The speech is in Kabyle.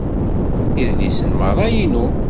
Idlisen-a merra inu.